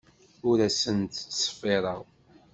Ur asent-ttṣeffireɣ.